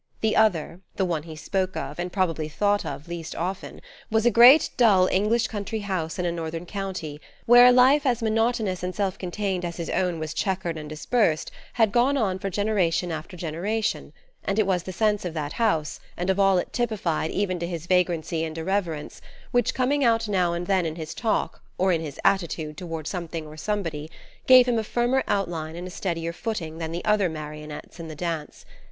The other, the one he spoke of, and probably thought of, least often, was a great dull English country house in a northern county, where a life as monotonous and self contained as his own was chequered and dispersed had gone on for generation after generation; and it was the sense of that house, and of all it typified even to his vagrancy and irreverence, which, coming out now and then in his talk, or in his attitude toward something or somebody, gave him a firmer outline and a steadier footing than the other marionettes in the dance.